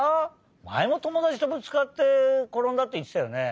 まえもともだちとぶつかってころんだっていってたよね。